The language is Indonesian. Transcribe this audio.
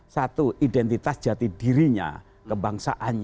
satu identitas jati dirinya kebangsaannya